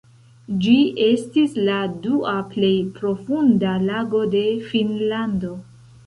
Ĝi estis la dua plej profunda lago de Finnlando.